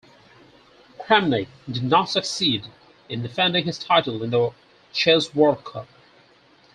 Kramnik did not succeed in defending his title in the Chess World Cup.